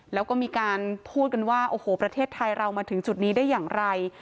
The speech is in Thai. แล้วก็มีการพูดกันว่าโอ้โหประเทศไทยเรามาถึงจุดนี้ได้อย่างไร